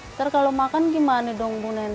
ntar kalau makan gimana dong bu neneng